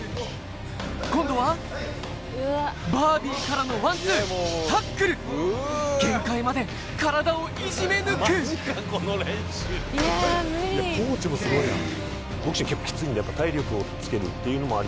今度はバービーからのワンツータックル限界まで体をいじめ抜くコーチもすごいな。